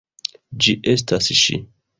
Ĝi estas ŝi!